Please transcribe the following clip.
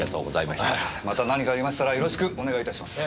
また何かありましたらよろしくお願いいたします。